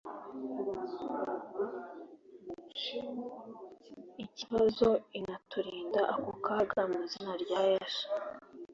ikibazo inaturinde ako kaga mwizina rya yesu